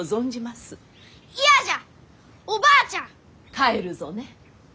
帰るぞね。